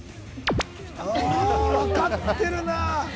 分かってるな。